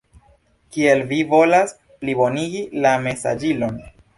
Kiel vi volas plibonigi la mesaĝilon?